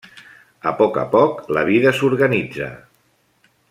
A poc a poc, la vida s'organitza.